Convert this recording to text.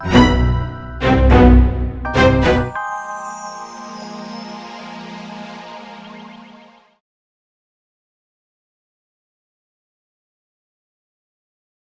tidak tidak tidak